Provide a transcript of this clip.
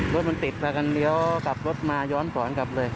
รถมันติดมากันเลี้ยวกลับรถมาย้อนสอนกลับเลย